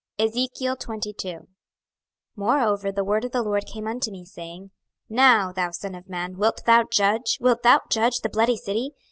26:022:001 Moreover the word of the LORD came unto me, saying, 26:022:002 Now, thou son of man, wilt thou judge, wilt thou judge the bloody city?